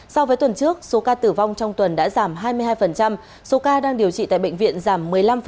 so với tuần trước số ca tử vong trong tuần đã giảm hai mươi hai số ca đang điều trị tại bệnh viện giảm một mươi năm